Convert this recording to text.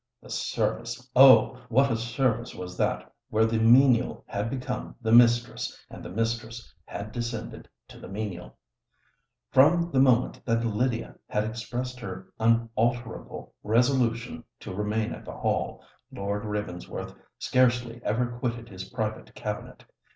The service! Oh! what a service was that where the menial had become the mistress, and the mistress had descended to the menial. From the moment that Lydia had expressed her unalterable resolution to remain at the Hall, Lord Ravensworth scarcely ever quitted his private cabinet.